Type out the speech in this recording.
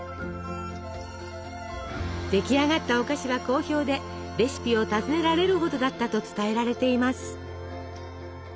出来上がったお菓子は好評でレシピを尋ねられるほどだったと伝えられています。